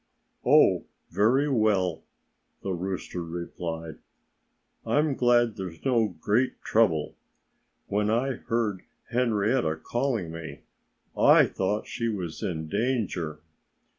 "Oh, very well!" the rooster replied. "I'm glad there's no great trouble. When I heard Henrietta calling me I thought she was in danger."